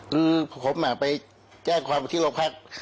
คือผมไปแจ้งความที่โรงพัก